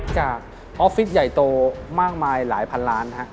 ออฟฟิศใหญ่โตมากมายหลายพันล้าน